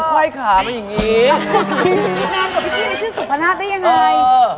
นานกับพี่ที่มีชื่อสุภาณาธิยังไง